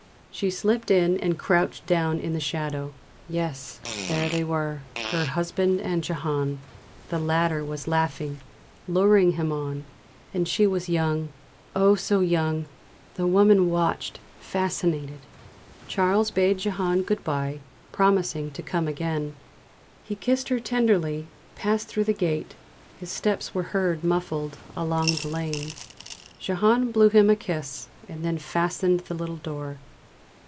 She slipped in and crouched down in the shadow. Yes, there they were, her husband and Jehane; the latter was laughing, luring him on and she was young; oh, so young! The woman watched, fascinated. Charles bade Jehane good bye, promising to come again. He kissed her tenderly, passed through the gate; his steps were heard muffled along the lane. Jehane blew him a kiss, and then fastened the little door.